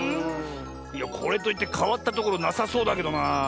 いやこれといってかわったところなさそうだけどなあ。